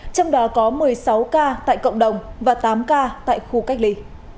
trong đó có một mươi sáu ca tại cộng đồng và tám ca tại khu cách ly